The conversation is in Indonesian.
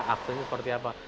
aksennya seperti apa